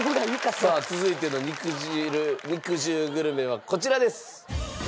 さあ続いての肉汁グルメはこちらです。